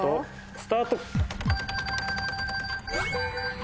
スタート！